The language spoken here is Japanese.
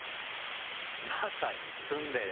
まさにツンデレ！